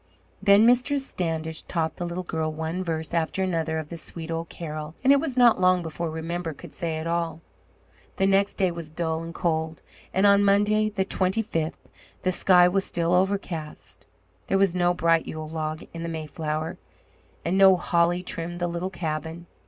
Then Mistress Standish taught the little girl one verse after another of the sweet old carol, and it was not long before Remember could say it all. The next day was dull and cold, and on Monday, the twenty fifth, the sky was still overcast. There was no bright Yule log in the Mayflower, and no holly trimmed the little cabin.